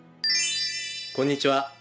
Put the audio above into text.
こんにちは。